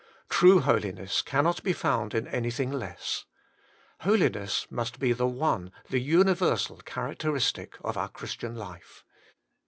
True holiness cannot be found in anything less. Holiness must be the one, the universal characteristic of our Christian life.